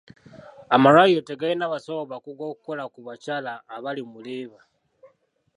Amalwaliro tegalina basawo bakugu okukola ku bakyala abali mu leeba.